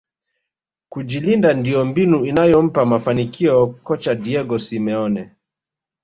kujilinda ndio mbinu inayompa mafanikio kocha diego simeone